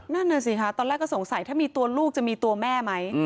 นั่นน่ะสิคะตอนแรกก็สงสัยถ้ามีตัวลูกจะมีตัวแม่ไหม